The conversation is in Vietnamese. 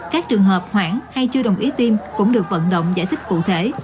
các trường hợp khoảng hay chưa đồng ý tiêm cũng được vận động giải thích cụ thể